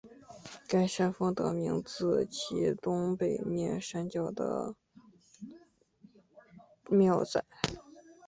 该山峰得名自其东北面山脚的庙仔。